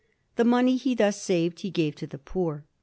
The money he thus saved he gave to the poor.